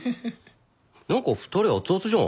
何か２人熱々じゃん。